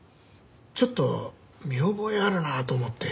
ちょっと見覚えあるなと思って。